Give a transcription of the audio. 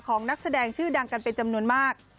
นักแสดงชื่อดังกันเป็นจำนวนมาก